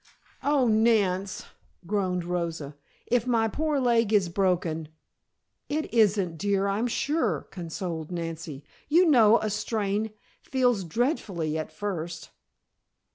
"Oh, Nance," groaned Rosa, "if my poor leg is broken " "It isn't, dear, I'm sure," consoled Nancy. "You know a strain feels dreadfully at first.